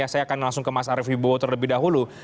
saya akan langsung ke mas arief hibowo terlebih dahulu